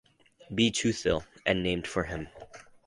B. Tuthill, and named for him.